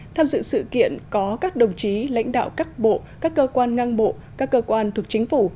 tham dự sự kiện có các đồng chí lãnh đạo các bộ các cơ quan ngang bộ các cơ quan thuộc chính phủ